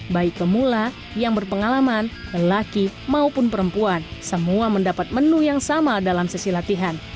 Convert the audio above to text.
baik pemula yang berpengalaman lelaki maupun perempuan semua mendapat menu yang sama dalam sesi latihan